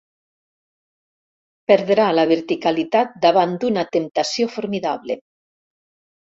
Perdrà la verticalitat davant d'una temptació formidable.